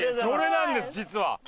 それなんです実は。